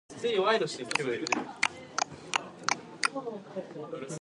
Go, and God be with you.